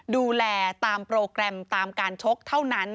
ดูแลตามโปรแกรมตามการชกเท่านั้น